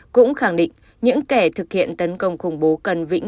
cũng khẳng định những kẻ thực hiện tấn công khủng bố cần vĩnh vệ